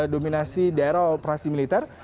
dominasi daerah operasi militer